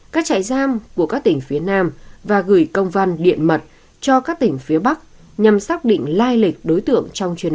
các trại giam của các tỉnh phía nam và gửi công văn điện mật cho các tỉnh phía bắc nhằm xác định lai lịch đối tượng trong chuyên án